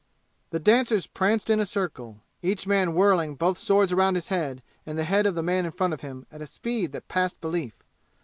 The dancers pranced in a circle, each man whirling both swords around his head and the head of the man in front of him at a speed that passed belief.